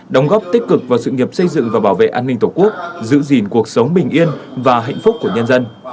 đồng góp tích cực vào sự nghiệp xây dựng và bảo vệ an ninh tổ quốc giữ gìn cuộc sống bình yên và hạnh phúc của nhân dân